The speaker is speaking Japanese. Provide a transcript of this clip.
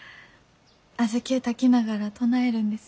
小豆を炊きながら唱えるんです。